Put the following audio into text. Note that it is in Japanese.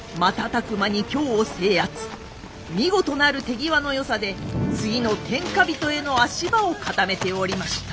見事なる手際のよさで次の天下人への足場を固めておりました。